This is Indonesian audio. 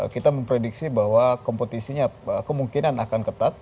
kita memprediksi bahwa kompetisinya kemungkinan akan ketat